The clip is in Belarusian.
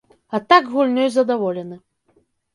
А так гульнёй задаволены.